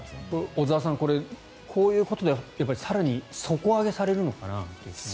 小澤さん、こういうことで更に底上げされるのかなと。